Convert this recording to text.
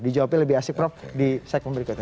dijawabnya lebih asik prof di segmen berikutnya